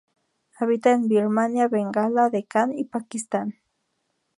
Habita en Birmania, Bengala, Deccan y Pakistán.